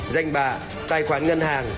danh bà tài khoản ngân hàng